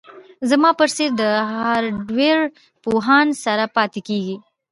دا زما په څیر د هارډویر پوهانو سره پاتې کیږي